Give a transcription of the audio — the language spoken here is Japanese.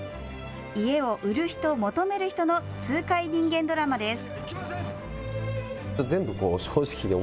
家を売る人、求める人の痛快人間ドラマです。